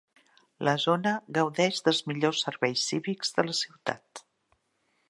La zona gaudeix dels millors serveis cívics de la ciutat.